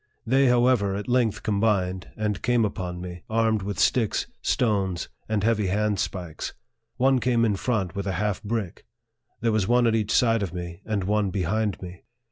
They, however, at length combined, and came upon me, armed with sticks, stones, and heavy handspikes. , One came in front with a half brick. There was one at each side of me, and one behind me.